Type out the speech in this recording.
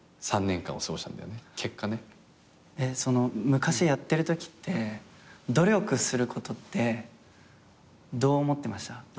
昔やってるときって努力することってどう思ってました？